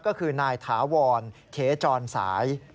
ก็คือนายถาวรเขจรสาย